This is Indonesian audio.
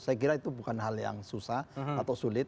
saya kira itu bukan hal yang susah atau sulit